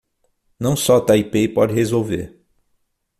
Não só Taipei pode resolver